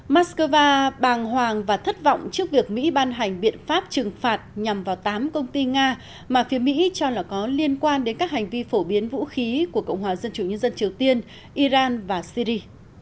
moscow bàng hoàng và thất vọng trước việc mỹ ban hành biện pháp trừng phạt nhằm vào tám công ty nga mà phía mỹ cho là có liên quan đến các hành vi phổ biến vũ khí của cộng hòa dân chủ nhân dân triều tiên iran và syri